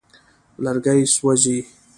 لرګي سوځوي.